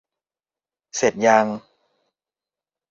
เสร็จยัง